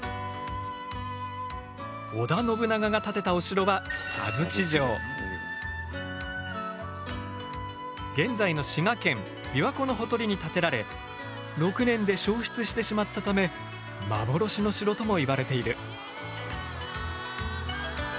織田信長が建てたお城は現在の滋賀県琵琶湖のほとりに建てられ６年で焼失してしまったため幻の城ともいわれている。